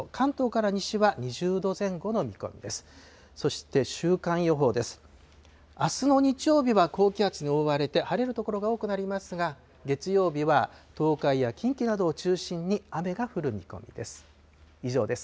あすの日曜日は高気圧に覆われて、晴れる所も多くなりますが、月曜日は東海や近畿などを中心に、雨が降る見込みです。